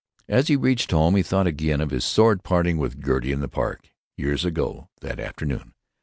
As he reached home he thought again of his sordid parting with Gertie in the Park—years ago, that afternoon.